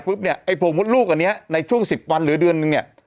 เนี่ยไอ้โพงมดลูกอันนี้ในช่วง๑๐วันหรือเดือนนึงเนี่ย